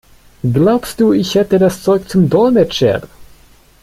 Glaubst du, ich hätte das Zeug zum Dolmetscher?